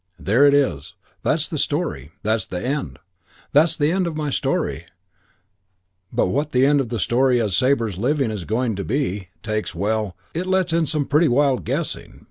There it is. That's the story. That's the end. That's the end of my story, but what the end of the story as Sabre's living it is going to be, takes well, it lets in some pretty wide guessing.